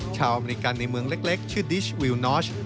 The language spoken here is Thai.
อเมริกันในเมืองเล็กชื่อดิชวิวนอช